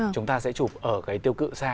chúng ta sẽ chụp ở cái tiêu cự xa